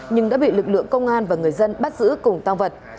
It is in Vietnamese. nhưng đã bị lực lượng công an và người dân bắt giữ cùng tăng vật